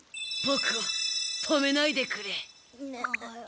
ボクを止めないでくれ。